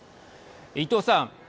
伊藤さん。